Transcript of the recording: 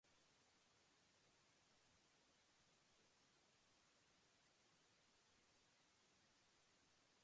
Creó la municipalidad de la capital y extendió el trazado urbano de la misma.